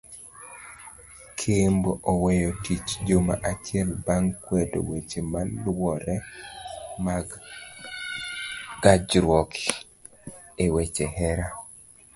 Kembo oweyo tich juma achiel bang kwedo weche maluore mag gajruok eweche hera.